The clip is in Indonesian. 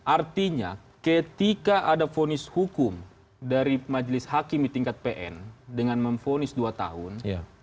artinya ketika ada fonis hukum dari majelis hakim di tingkat pn dengan memfonis dua tahun